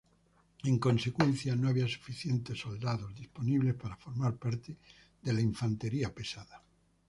En consecuencia, no había suficientes soldados disponibles para formar parte de la infantería pesada.